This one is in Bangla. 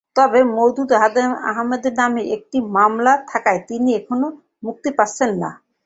তবে মওদুদ আহমদের নামে একটি মামলা থাকায় তিনি এখনই মুক্তি পাচ্ছেন না।